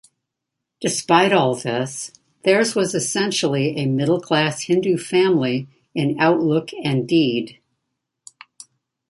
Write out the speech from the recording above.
Despite all this, theirs was essentially a middle-class Hindu family in outlook and deed.